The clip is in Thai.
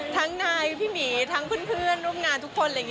ทั้งนายพี่หมีทั้งเพื่อนร่วมงานทุกคน